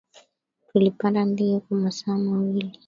Tulipanda ndege kwa masaa mawili